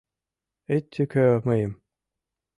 Ит тӱкӧ мыйым...